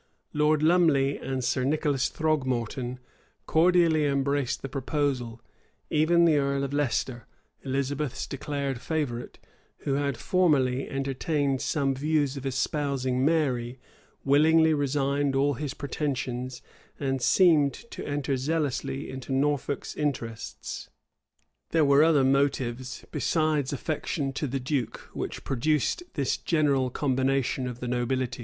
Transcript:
[] Lord Lumley and Sir Nicholas Throgmorton cordially embraced the proposal: even the earl of Leicester, Elizabeth's declared favorite, who had formerly entertained some views of espousing Mary, willingly resigned all his pretensions, and seemed to enter zealously into Norfolk's interests.[] There were other motives, besides affection to the duke, which produced this general combination of the nobility.